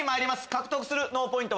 獲得する脳ポイント